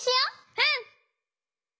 うん！